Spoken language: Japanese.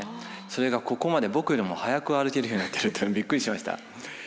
それがここまで僕よりも速く歩けるようになってるっていうのはびっくりしました。